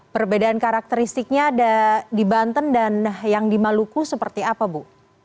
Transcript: perbedaan karakteristiknya ada di banten dan yang di maluku seperti apa bu